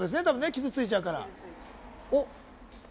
傷ついちゃうから。